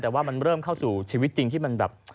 แต่ว่ามันเริ่มเข้าสู่ชีวิตจริงที่มันแบบ